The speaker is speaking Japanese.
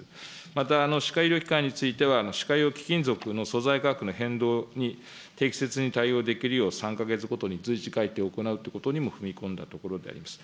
また、歯科医療機関については、歯科用貴金属の素材価格の変動に適切に対応できるよう、３か月ごとに随時改定を行うということにも踏み込んだところであります。